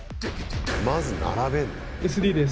まず並べんの？